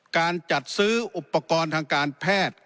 การจัดซื้ออุปกรณ์ทางการแพทย์